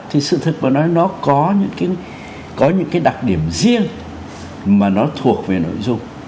thì sự thực mà nói nó có những cái đặc điểm riêng mà nó thuộc về nội dung